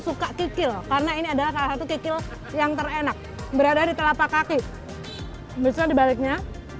suka kikil karena ini adalah salah satu kikil yang terenak berada di telapak kaki besar dibaliknya